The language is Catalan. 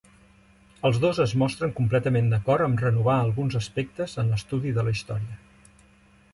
Els dos es mostren completament d'acord amb renovar alguns aspectes en l'estudi de la història.